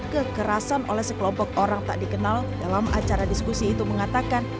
kekerasan oleh sekelompok orang tak dikenal dalam acara diskusi itu mengatakan